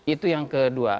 itu yang kedua